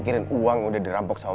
pergi jangan ikutin aku